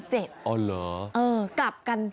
อ๋อเหรอกลับกัน